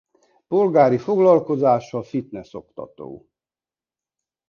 Polgári foglalkozása fitness-oktató.